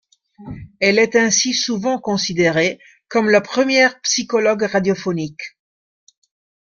Elle est ainsi souvent considérée comme la première psychologue radiophonique.